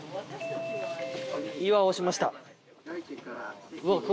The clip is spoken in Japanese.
岩押しました。